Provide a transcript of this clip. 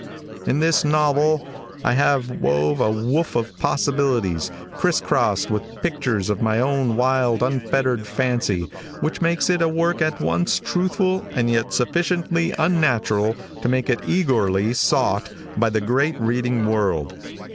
In this novle, I have wove a woof of possibilities, criss crossed with pictures of my own wild, unfettered fancy, which makes it a work at once truthful and yet sufficiently unnatural to make it egorly sot for by the great reading world.